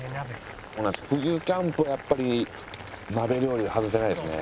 冬キャンプはやっぱり鍋料理は外せないですね。